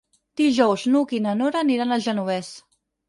Dijous n'Hug i na Nora aniran al Genovés.